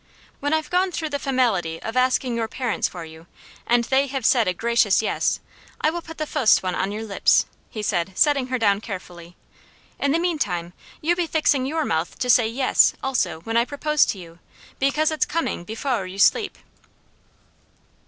"When I've gone through the fahmality of asking your parents for you, and they have said a gracious 'yes,' I'll put the fust one on your lips," he said, setting her down carefully. "In the meantime, you be fixing your mouth to say, 'yes,' also, when I propose to you, because it's coming befowr you sleep."